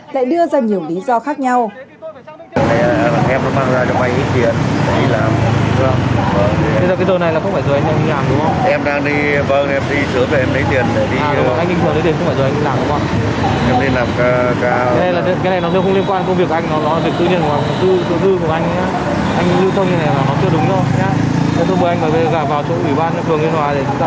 lại đưa ra nhiều lý do cho người phụ nữ